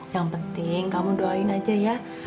yang penting kamu doain aja ya